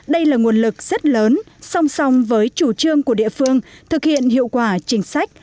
đây là nguồn lực rất lớn song song với chủ trương của địa phương thực hiện hiệu quả chính sách